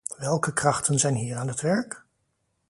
Welke krachten zijn hier aan het werk?